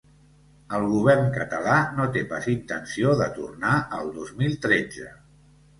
El govern català no té pas intenció de tornar al dos mil tretze.